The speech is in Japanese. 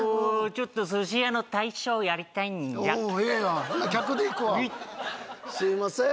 ちょっと寿司屋の大将やりたいんじゃおおええやんほな客でいくわすいません